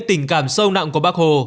tình cảm sâu nặng của bắc hồ